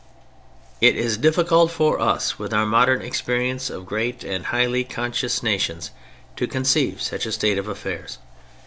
It is difficult for us with our modern experience of great and highly conscious nations to conceive such a state of affairs.